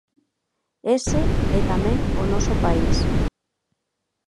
Ese é tamén o noso país.